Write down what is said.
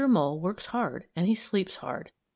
Mole works hard and he sleeps hard.